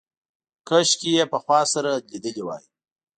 کاشکې یې پخوا سره لیدلي وای.